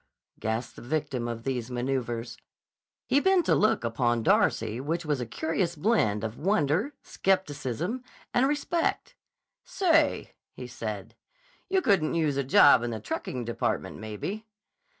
gasped the victim of these maneuvers. He bent a look upon Darcy which was a curious blend of wonder, skepticism, and respect. "Say," he said, "you couldn't use a job in the trucking department, maybe?"